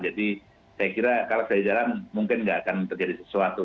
jadi saya kira kalau dari dalam mungkin tidak akan terjadi sesuatu